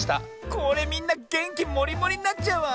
これみんなげんきもりもりになっちゃうわ！